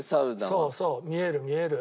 そうそう見える見える。